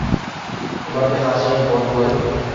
Ularga qarshi borib bo‘ladimi?